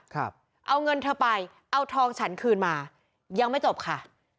ครับเอาเงินเธอไปเอาทองฉันคืนมายังไม่จบค่ะ